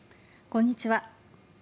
こんにちは。